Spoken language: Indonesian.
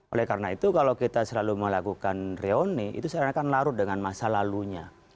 oleh karena itu kalau kita selalu melakukan reuni itu seakan akan larut dengan masa lalunya